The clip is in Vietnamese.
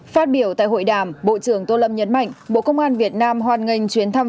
phát biểu tại hội đàm bộ trưởng tô lâm nhấn mạnh bộ công an việt nam hoan nghênh chuyến thăm